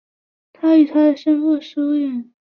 他与他的生父疏远。